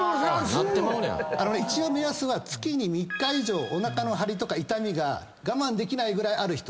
一応目安は月に３日以上おなかの張りとか痛みが我慢できないぐらいある人。